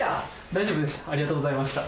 大丈夫でしたありがとうございました。